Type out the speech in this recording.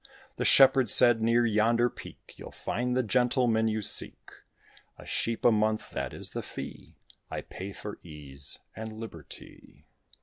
The shepherd said, "Near yonder peak You'll find the gentleman you seek. A sheep a month, that is the fee I pay for ease and liberty.